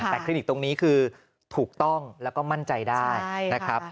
แต่คลินิกตรงนี้คือถูกต้องและมั่นใจได้